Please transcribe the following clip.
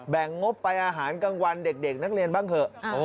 งบไปอาหารกลางวันเด็กนักเรียนบ้างเถอะ